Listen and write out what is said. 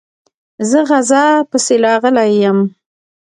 زه غزا پسي راغلی یم.